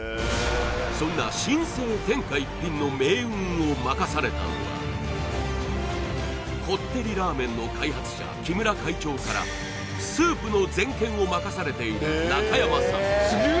そんな新生天下一品の命運を任されたのはこってりラーメンの開発者木村会長からスープの全権を任されている中山さん